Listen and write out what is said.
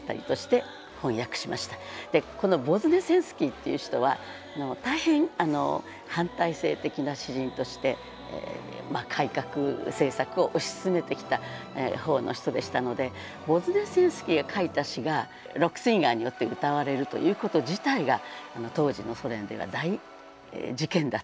でこのボズネセンスキーっていう人は大変反体制的な詩人として改革政策を推し進めてきた方の人でしたのでボズネセンスキーが書いた詩がロックシンガーによって歌われるということ自体が当時のソ連では大事件だったと思います。